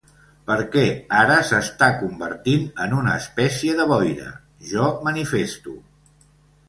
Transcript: Per què, ara s'està convertint en una espècie de boira, jo manifesto!